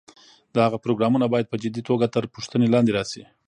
د هغه پروګرامونه باید په جدي توګه تر پوښتنې لاندې راشي.